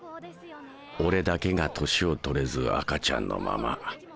俺だけが年をとれず赤ちゃんのまま。